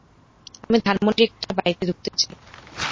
আমি ধানমণ্ডির একটা বাড়িতে ঢুকতে চাই।